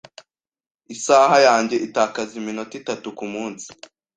Isaha yanjye itakaza iminota itatu kumunsi.